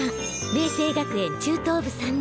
明青学園中等部３年。